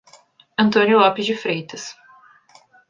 Antônio Lopes de Freitas